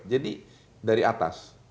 jadi dari atas